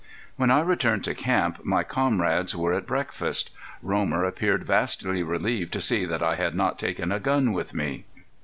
When I returned to camp my comrades were at breakfast. Romer appeared vastly relieved to see that I had not taken a gun with me.